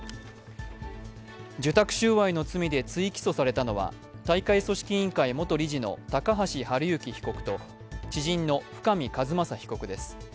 受託収賄の罪で追起訴されたのは大会組織委員会元理事の高橋治之被告と知人の深見和政被告です。